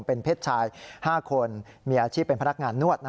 เป็นเพศชาย๕คนมีอาชีพเป็นพนักงานนวด